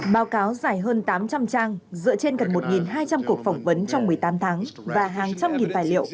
báo cáo dài hơn tám trăm linh trang dựa trên gần một hai trăm linh cuộc phỏng vấn trong một mươi tám tháng và hàng trăm nghìn tài liệu